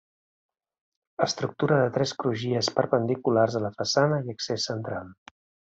Estructura en tres crugies perpendiculars a la façana i accés central.